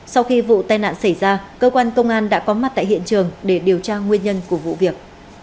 sau khi vụ tai nạn xảy ra cơ quan công an đã có mặt tại hiện trường để điều tra nguyên nhân của vụ việc